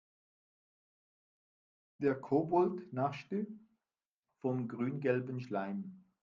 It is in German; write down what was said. Der Kobold naschte vom grüngelben Schleim.